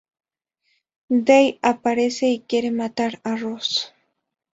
Dell aparece y quiere matar a Ross.